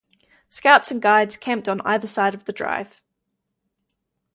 Scouts and Guides camped on either side of the drive.